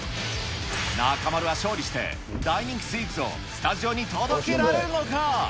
中丸は勝利して、大人気スイーツをスタジオに届けられるのか。